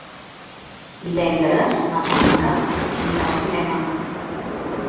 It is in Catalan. Divendres na Blanca anirà al cinema.